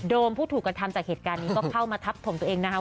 ผู้ถูกกระทำจากเหตุการณ์นี้ก็เข้ามาทับถมตัวเองนะคะ